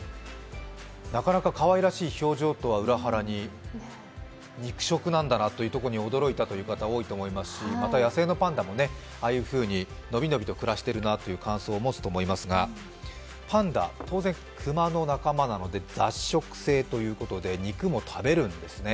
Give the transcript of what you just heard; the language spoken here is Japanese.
なかなか、かわいらしい表情とは裏腹に肉食なんだなというところに驚いた方、多いと思いますし、また野生のパンダもああいうふうに伸び伸びと暮らしてるなという感想を持つと思いますがパンダ、当然、熊の仲間なので雑食性ということで肉も食べるんですね。